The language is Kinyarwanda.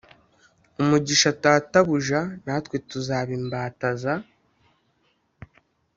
umugisha databuja natwe tuzaba imbata za